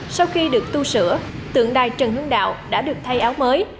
sau khi được tu sửa tượng đài trần hương đạo đã được thay áo mới